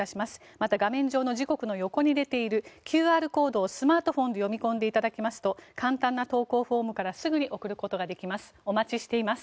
また画面上の時刻の横に出ているＱＲコードをスマートフォンで読み込んでいただきますと簡単な投稿フォームからすぐに送ることができます。